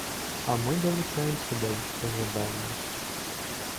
А мы далучаемся да іх пажаданняў!